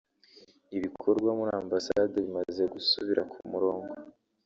ibikorwa muri ambasade bimaze gusubira ku murongo